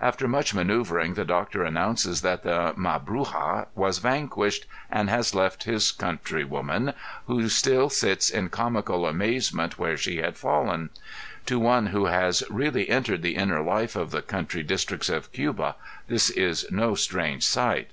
After much manoeuvring, the doctor announces that the Mabruja was vanquished and has left his country woman, who still sits in comical amazement where she had fallen; to one who has really entered the inner life of the country districts of Cuba this is no strange sight.